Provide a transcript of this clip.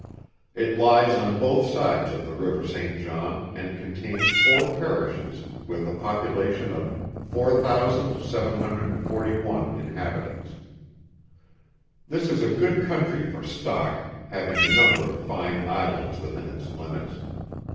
It lies on both sides of the river Saint John, and contains four Parishes, with a population of 4,741 inhabitants. This is a good county for stock, having a number of fine Islands within its limits.